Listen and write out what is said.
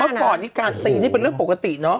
เมื่อก่อนนี้การตีนี่เป็นเรื่องปกติเนาะ